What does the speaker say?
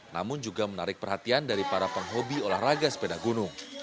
namun juga menarik perhatian dari para penghobi olahraga sepeda gunung